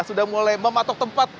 sudah mulai mematok tempat